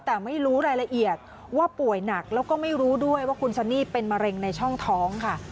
แต่ไม่รู้รายละเอียดว่าป่วยหนักแล้วก็ไม่รู้ด้วยว่าคุณซันนี่เป็นมะเร็งในช่องท้องค่ะ